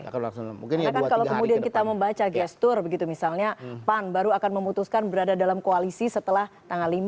karena kan kalau kemudian kita membaca gestur gitu misalnya pan baru akan memutuskan berada dalam koalisi setelah tanggal lima